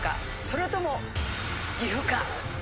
それとも岐阜か。